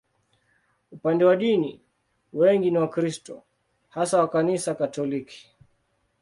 Upande wa dini, wengi ni Wakristo, hasa wa Kanisa Katoliki.